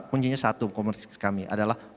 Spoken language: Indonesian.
kuncinya satu komunitas kami adalah